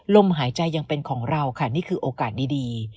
ลมหายใจยังเป็นของเราค่ะนี่คือโอกาสดี